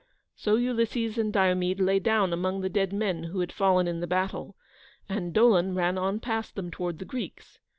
So Ulysses and Diomede lay down among the dead men who had fallen in the battle, and Dolon ran on past them towards the Greeks.